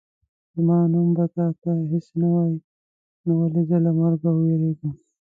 زما نوم به تا ته هېڅ نه وایي نو ولې زه له مرګه ووېرېږم.